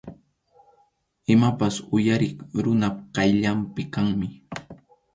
Imapas uyariq runap qayllanpi kaqmi.